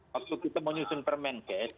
waktu kita menyusun permenkes